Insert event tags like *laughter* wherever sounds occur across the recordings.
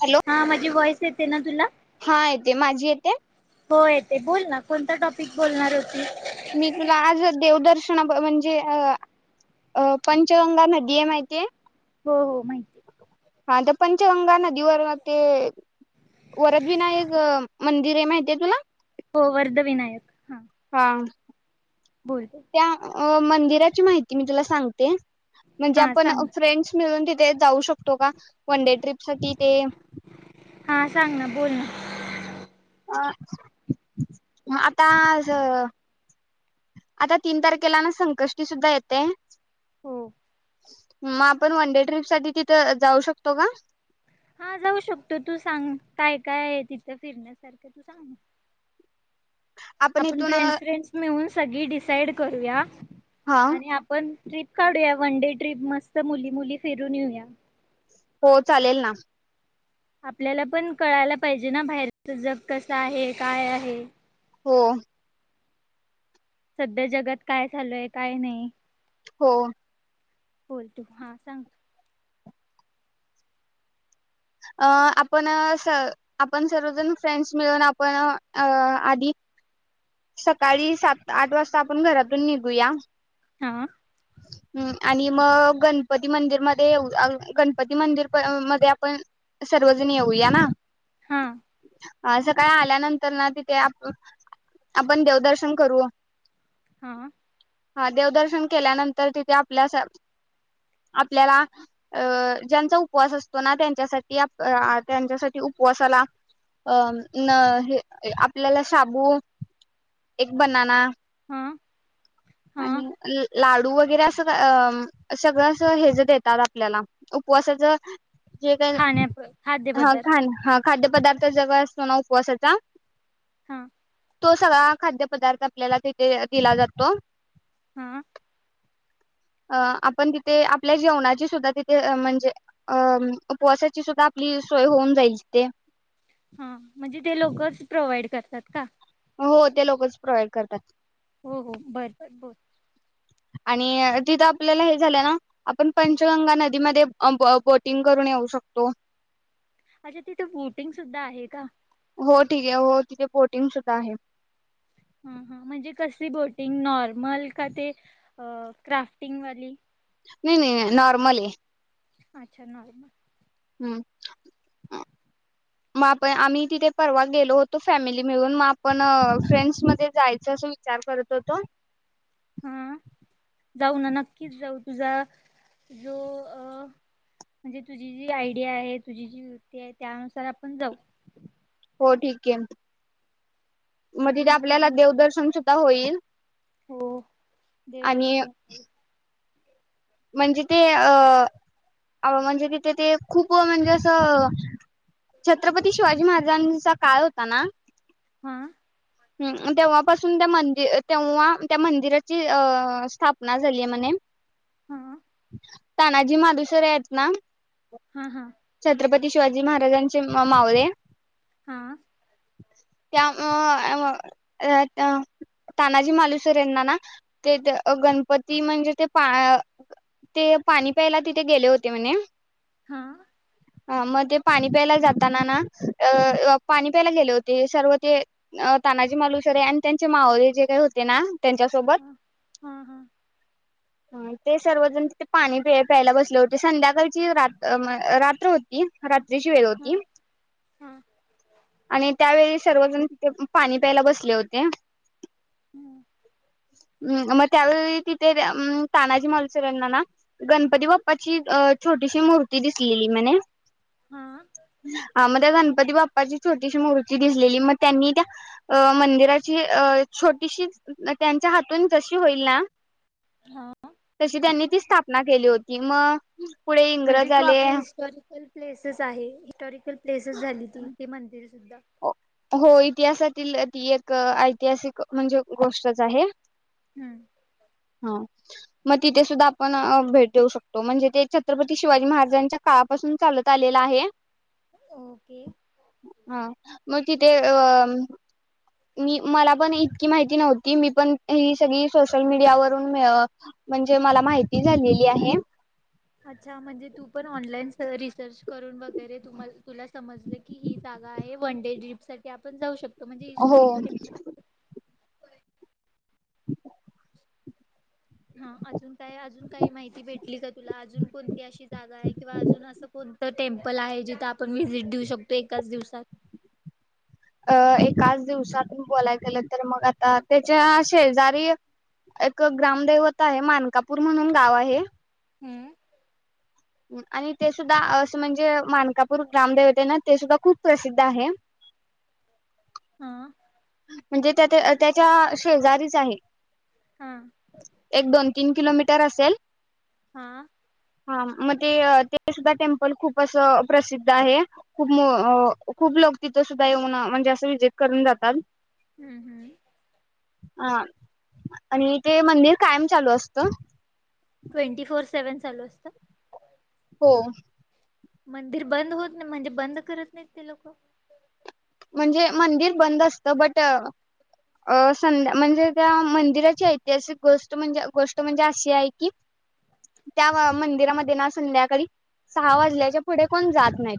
Hello हा माझी voice येते ना तुला? हा येते माझी येते. हो येते बोल ना, कोणता टॉपिक बोलणार होती. मी तुला आज देवदर्शन म्हणजे, अ पंचगंगा नदी आहे माहितीय. हो हो माहिती हा तर पंचगंगा नदीवर ते वरद विनायक मंदिर आहे माहितीय तुला? हो वर्ध विनायक हा. बोल त्या मंदिराची माहिती मी तुला सांगते म्हणजे हा आपण सांग फ्रेंड्स मिळून तिथ ते जाऊ शकतो. तो का? वन डे ट्रिप साठी ते हा सांग ना बोल ना मग आता आज आता तीन तारखेला ना संकष्टी सुद्धा येते. हो. मग आपण वन डे ट्रिपसाठी तिथं जाऊ शकतो का? हा जाऊ शकतो तू सांग काय काय आहे तिथं फिरण्यासारखं तू सांग? आपण फ्रेंड्स फ्रेंड्स मिळून सगळी डिसाईड करूया हा आणि आपण ट्रिप काढूया वन डे ट्रिप मस्त मुली मुली फिरून येऊया हो चालेल ना आपल्याला पण कळायला पाहिजे ना बाहेरच जग कस आहे, काय आहे? हो. सध्या जगात काय चालूय, काय नाही? हो. होय तू हा सांग अ आपण स आपण सर्वजण फ्रेंड्स मिळून आपण अ आधी सकाळी सात आठ वाजता आपण घरातून निघूया हा हम् आणि मग गणपती मंदिर मध्ये ये गणपती मंदिर मध्ये आपण सर्वजण येऊया ना? हा. अ सकाळी आल्यानंतर ना तिथे आप आपण देवदर्शन करू. हा. हा देवदर्शन केल्यानंतर तिथे आपल्या आपल्याला अं ज्यांचा उपवास असतो ना त्यांच्यासाठी त्यांच्यासाठी उपवासाला अं हे आपल्याला शाबु एक बनाना हा हा आणि - लाडू वगैरे असं अ आम् सगळं अस हे ज देतात आपल्याला उपवासाच जे काय खाण्या हा खाद्यपदार्थ खान हा खाद्य पदार्थ जवळ असतो ना उपवासाचा हा तो सगळा खाद्य पदार्थ आपल्याला तिथे दिला जातो. हा अ आपण तिथे आपल्या जेवणाची सुद्धा, तिथे म्हणजे अ उपवासाची सुद्धा पली सोय होऊन जाईल तिते. हां, म्हणजे ते लोकच प्रोव्हाइड करतात का? हो, ते लोकच प्रोव्हाइड करतात. हो-हो बर बोल. आणि तिथं आपल्याला हे झालं ना, आपण पंचगंगा नदीमध्ये अंब बो बोटिंग करून येऊ शकतो. अच्छा तिथे बोटिंग सुद्धा आहे का? हो ठीक हे. हो तिथे बोटिंग सुद्धा आहे. हां-हां म्हणजे कसी बोटींग? नॉर्मल का ते क्राफ्टिंग वाली? नई-नई-नई नॉर्मल ए. अच्छा नॉर्मल. हम्म म आप आम्ही तिथे परवा गेलो होतो फॅमिली मिळून, म आपण फ्रेंडस मध्ये जायचं अस विचार करत होतो. हां, जाऊ ना नक्कीच जाऊ. तुझा जो अ म्हणजे तुझी जी आयडिया आहे, तुझी जी वृत्ती आहे, त्यानुसार आपण जाऊ. हो ठीके. म्हदे तेे अजून आपल्याला अजून देवदर्शन सुद्धा होईल. *inaudible* हो आणि देवदर्शन *unintelligible* म्हणजे ते अ, म्हणजे तिथं ते खूप म्हणजे असं छत्रपती शिवाजी महाराजांचा काळ होता ना हां हम् तेव्हापासून त्या मंदि तेव्हा त्या मंदिराची अ स्थापना झाली आय म्हणे. हां तानाजी मालुसरे आहेत ना हां-हां छत्रपती शिवाजी महाराजांचे म मावळे. हां त्या अंअ अंव अंवै त्या तानाजी मालुसरेंना ना ते त गणपती म्हणजे ते पा ते पाणी प्यायला तिथे गेले होते म्हणे. हां हां, म ते पाणी प्यायला जाताना ना, अ पाणी प्यायला गेले होते. सर्व ते तानाजी मालूसरे आणि त्यांचे मावळेे जे काही होते ना त्यांच्यासोबत हं, हां-हां हां ते सर्वजण तिथे पाणी प प्यायला बसले होते, संध्याकाळची रात अ म रात्र होती. तिची वेळ होती. हां हां आणि त्यावेळी सर्वजण तिथे पाणी प्यायला बसले होते. हम् हम् म त्यावेळी तिथे त अम् तानाजी मालुसरेंना ना, गणपती बाप्पाची अ छोटीशी मूर्ती दिसलेली म्हणे. हां आ मन् त्या गणपती बाप्पाची छोटीशी मूर्ती दिसलेली, म त्यांनी त्या अ मंदिराची अ छोटीशी त्यांच्या हातून जशी होईल ना हां तशी त्यांनी ती स्थापना केली होती. म्ह म्हणजे तू आपल्या हिस्टॉरिकल प्लेसेस आहे हिस्टॉरिकल प्लेसेस झाली तू ते म्हणतेे सुद्धा हो इतिहासातील ती एक ऐतिहासिक म्हणजे गोष्टच आहे. हम्म हा मग तिथे सुद्धा आपण भेट देऊ शकतो म्हणजे ते छत्रपती शिवाजी महाराजांच्या काळापासून चालत आलेला आहे. ओके हा मग तिथ अ मी मला पण इतकी माहिती नव्हती मी पण ही सगळी सोशल मीडियावर म्हणजे मला माहिती झालेली आहे. अच्छा म्हणजे तू पण ऑनलाईन सहलीची सर्च करून वगैरे तुम्हाला तुला समजलं की ही जागा आहे वन डे ट्रीप साठी आपण जाऊ शकतो. तो म्हणजे हो हिस्टॉरिकल हा अजून काय अजून काही माहिती भेटली का काय तुला अजून कोणती अशी जागा आहे किंवा अजून असं कोणतं टेम्पल आहे जिथं आपण व्हिजिट देऊ शकतो एकाच दिवसात अ एकाच दिवसातून बोलायला गेलं तर मग आता त्याच्या शेजारी एक ग्रामदैवता आहे मानकापूर म्हणून गाव आहे. हम्म आणि ते सुद्धा असं म्हणजे मानकापूर ग्रामदेवते ना ते सुद्धा खूप प्रसिद्ध आहे. हां म्हणजे त्या त्याच्या शेजारीच आहे. हा एक दोन तीन किलोमीटर असेल, हा हा मग ते ते सुद्धा टेम्पल खूप असं प्रसिद्ध आहे खूप खूप लोक तिथं सुद्धा येऊन म्हणजे असं व्हिजिट करून जातात. हम्म हम्म हा आणि ते मंदिर कायम चालू असत. ट्वेंटी फोर सेव्हन चालू असत हो मंदिर बंद होत नाही म्हणजे बंद करत नाहीत ते लोक म्हणजे मंदिर बंद असतं बट अ संध्या म्हणजे त्या मंदिराची ऐतिहासिक गोष्ट म्हणजे गोष्ट म्हणजे अशी आहे की त्या मंदिरामध्ये ना संध्याकाळी सहा वाजल्याच्या पुढे कोण जात नाही.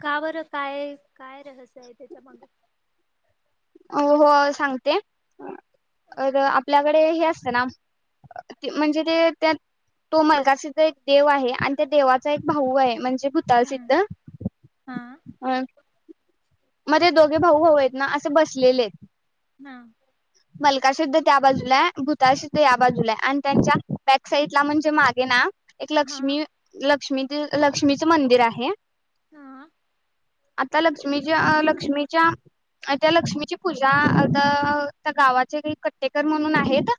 का बरं काय काय रहस्य आहे त्याच्या माग हो सांगते तर आपल्याकडे हे असतं ना म्हणजे ते त्या तो मलकासीध्द एक देव आहे आणि त्या देवाचा एक भाऊ आहे म्हणजे हम्म भूतासिद्ध हा अ मध्ये दोघे भाऊ भाऊ आहेत ना असे बसलेले हा मलकासिद्ध त्या बाजूलाय भूताळ सिद्ध या बाजूला आहे आणि त्यांच्या बॅकसाइडला म्हणजे मागे ना एक हा लक्ष्मी लक्ष्मी. *unintelligible* लक्ष्मीचं मंदिर आहे. हा आता लक्ष्मीच्या लक्ष्मीच्या त्या लक्ष्मीची पूजा आता ता गावाचे काही कट्टेकर म्हणून आहेत.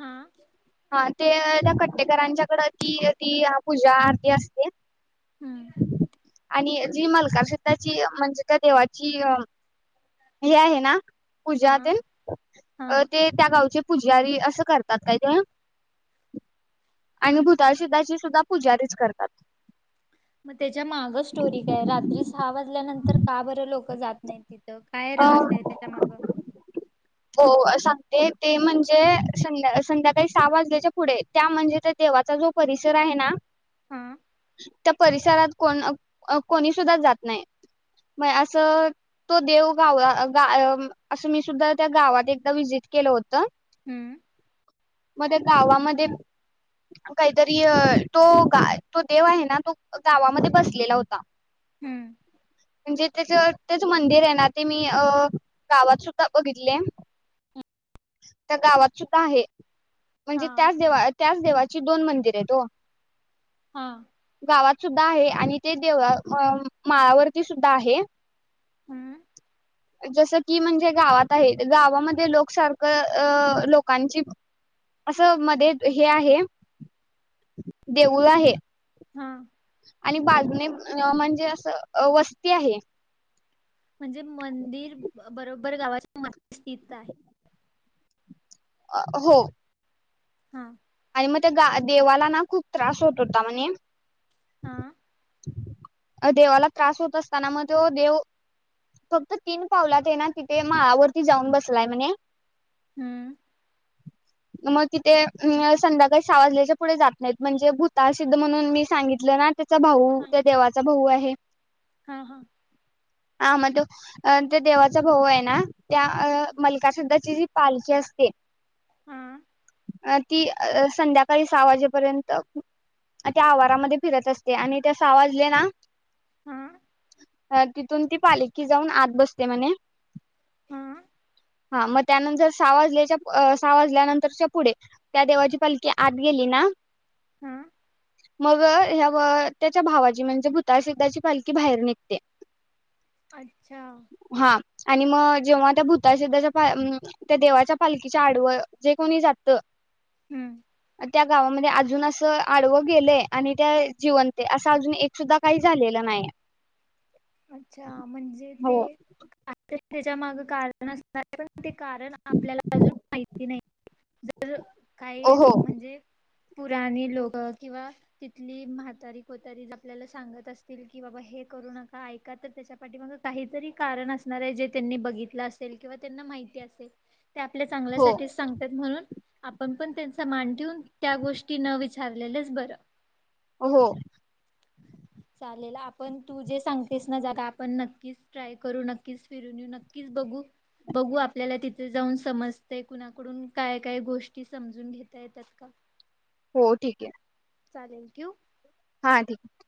हा हा ते त्या कट्टेकरांच्या कड ती ती पूजा आरती असते. हम्म आणि जी मलकारसिद्धाची म्हणजे त्या देवाची अ हे आहे ना पूजा हा तेन हा अ ते त्या गावची पुजारी असं करतात काय ते. आणि अच्छा भुताळसिद्धाची सुद्धा पूजारीच करतात. मग त्याच्या माग स्टोरी काय? रात्री सहा वाजल्यानंतर का बरं लोक जात नाहीत तिथं. काय अ रहस्य आहे त्याच्यामाग? हो सांगते ते म्हणजे संध्या संध्याकाळी सहा वाजल्याच्या पुढे त्या म्हणजे त्या देवाचा जो परिसर आहे ना हा त्या परिसरात कोण कोणी सुद्धा जात नाही म असं तो देव *unintelligible* गाव असं मी सुद्धा त्या गावात एकदा विजीट केलं होत. हम्म मध्ये गावामध्ये काहीतरी य तो काय तो देव आहे ना तो गावामध्ये बसलेला होता. हम्म म्हणजे त्याच तेच मंदिर आहे ना ते मी अ गावात सुद्धा बघितले, त्या गावात सुद्धा आहे. हा म्हणजे त्याच देवा त्याच देवा ही दोन मंदिर आहेतओ. हा सुद्धा आहे आणि ते देवळा व माळावरती सुद्धा आहे. हम्म जस की म्हणजे गावात आहे. गावामध्ये लोकसारखं अ लोकांची, अस मध्ये हे आहे देऊळ आहे. हा आणि बाजूने अ म्हणजे असं अ वस्ती आहे. म्हणजे मंदिर बरोबर गावाच्या मध्य स्थित आहे. अ हो हा आणि मग ते ग देवाला ना खूप त्रास होत होता म्हणे आ अ देवाला त्रास होत असताना, मग तो देव फक्त तीन पावलात हैना तिथे माळावरती जाऊन बसलाय म्हणे. हम्म मग ति ते अ स संध्याकाळी साहावाजल्याच्या पुढे जात नाहीत म्हणजे भूतसिद्ध म्हणून मी सांगितलं ना चा भाऊ हा त्या देवाचा भाऊ आहे. हा हा हा म तो अ ते देवाचा भाऊ ए ना. त्या अ मलका श्रद्धाची जी पालखी असते. हा अ ती अ अ संध्याकाळी सहा वाजेपर्यंत त्या आवारामधे फिरत असते आणि त्या सा वाजले ना हा अ तिथून ती पालखी जाऊन आत बसते म्हणे. हा हा म त्यानंतर सहा वाजल्याच्या साहा वाजल्यानंतरच्या पुढे त्या देवाची पालखी आत गेली ना हा. मग ह्या ब त्याच्या भावाची म्हणजे भूतळसिद्धाची पालखी बाहेर निघते. अच्छा. हा आणि म जेव्हा त्या भूताशद्धाच्या पाया त्या देवाच्या पालखीच्या आडवळ जे कोणी जातं हम्म. त्या गावामधे अजून असं आडवं गेलंय आणि त्या जिवंत असं अजून एक सुद्धा काही झालेलं नाई. अच्छा म्हणजे ते *unintelligible* त्याच्या मागं कारणण असणार ए पण. ते कारण आपल्याला अजून माहिती नाइ. जर हो काहीज म्हणजे पुराणी लोकं किंवा तिथली म्हातारी कोतारी आपल्याला सांगत असतील कि बाबा हे करू नका. ऐका त त्याच्या पाठीमागं काहीतरी कारण असणार ए, जे त्यांनी बघितलं असेल किंवा त्यांना माहिती असेल. ते आपल्या हो चांगल्यासाठीच सांगतात म्हणून आपण पण त्यांचा मान ट्यून त्या गोष्टी न विचारलेलंच बरं. ओ हो. चालेल. आपण तू जे सांग ा आपण नक्कीच ट्राय करू, नक्कीच फिरून येऊ, नक्कीच बघू. बघू आपल्याला तिथे जाऊन समजते कुणाकडून काय काय गोष्टी समजून घेता येतात का? हो. ठीक ए. चालेल. ठेउ? हा.. ठीक.